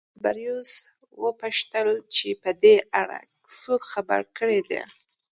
تبریوس وپوښتل چې په دې اړه یې څوک خبر کړي دي